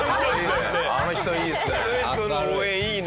あの人いいですね。